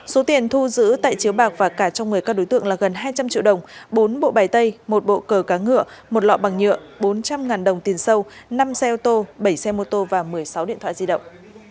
số tiền thu giữ tại chiếu bạc và cả trong người các đối tượng là gần hai trăm linh triệu đồng bốn bộ bài tay một bộ cờ cá ngựa một lọ bằng nhựa bốn trăm linh đồng tiền sâu năm xe ô tô bảy xe mô tô và một mươi sáu điện thoại di động